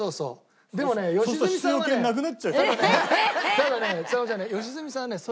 ただねちさ子ちゃんね。